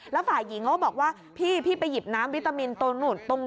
แล้วฝ่ายหญิงเขาบอกว่าพี่ไปหยิบน้ำวิตามินตรงนู่น